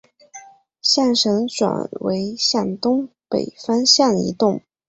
象神转为向东北方向移动。